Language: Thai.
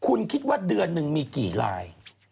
คุณคิดว่าเดือนหนึ่งมีกี่ลาย